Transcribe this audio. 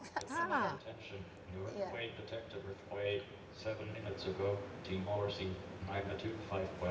tentang keberadaan detektif newark berkata tujuh menit lalu tim orsi memiliki lima delapan meter tinggi sepuluh km